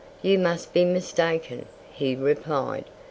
"You must be mistaken," he replied.